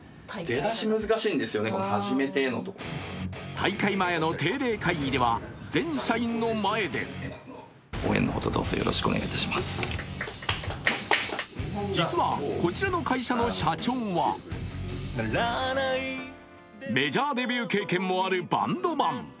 大会前の定例会議では全社員の前で実はこちらの会社の社長はメジャーデビュー経験もあるバンドマン。